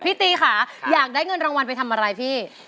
ตีค่ะอยากได้เงินรางวัลไปทำอะไรพี่